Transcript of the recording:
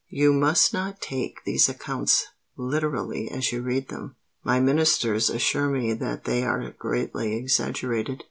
"You must not take these accounts literally as you read them. My Ministers assure me that they are greatly exaggerated.